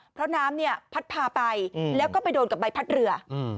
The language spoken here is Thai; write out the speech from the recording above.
เพราะน้ำเนี่ยพัดพาไปแล้วก็ไปโดนกับใบพัดเรือ